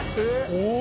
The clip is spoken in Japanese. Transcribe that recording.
・お！